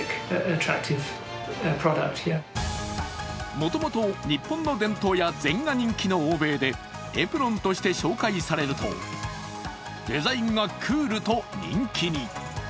もともと日本の伝統や禅が人気の欧米でエプロンとして紹介されると、デザインがクールと人気に。